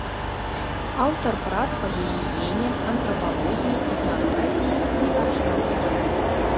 Аўтар прац па гігіене, антрапалогіі, этнаграфіі і археалогіі.